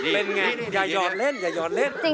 เป็นไงอย่าหอดเล่นอย่าหยอดเล่น